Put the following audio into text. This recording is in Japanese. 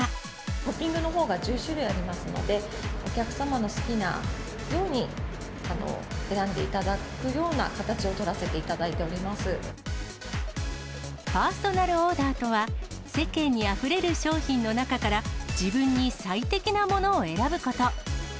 トッピングのほうが１１種類ありますので、お客様の好きなように選んでいただくような形を取らせていただいパーソナルオーダーとは、世間にあふれる商品の中から、自分に最適なものを選ぶこと。